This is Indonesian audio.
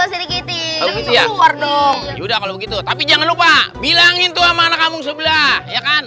tapi dulu pasti gitu ya udah kalau gitu tapi jangan lupa bilang itu mana kamu sebelah ya kan